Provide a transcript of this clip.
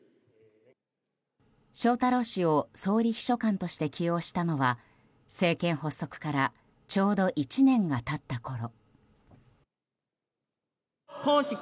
翔太郎氏を総理秘書官として起用したのは政権発足からちょうど１年が経ったころ。